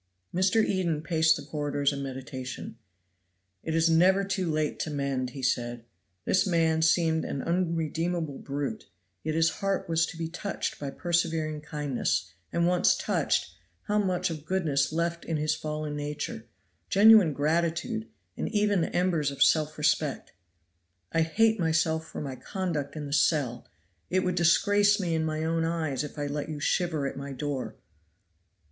Mr. Eden paced the corridors in meditation. "It is never too late to mend!" he said. "This man seemed an unredeemable brute, yet his heart was to be touched by persevering kindness; and once touched, how much of goodness left in his fallen nature genuine gratitude, and even the embers of self respect. 'I hate myself for my conduct in the cell; it would disgrace me in my own eyes if I let you shiver at my door.'